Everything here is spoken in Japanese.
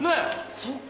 そっか。